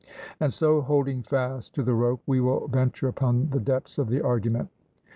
And so holding fast to the rope we will venture upon the depths of the argument.